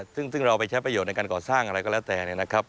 ซึ่งเราเอาไปใช้ประโยชน์ในการก่อสร้างอะไรก็แล้วแต่